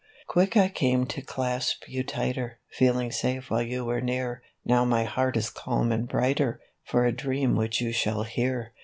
" Quick I came to clasp you tighter, Feeling safe while you were near; Now my heart is calm and brighter, For a dream which you shall hear.